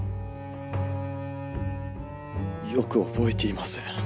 よく覚えていません。